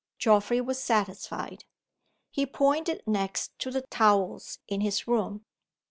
Geoffrey was satisfied. He pointed next to the towels in his room.